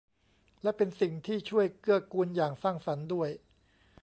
และเป็นสิ่งที่ช่วยเกื้อกูลอย่างสร้างสรรค์ด้วย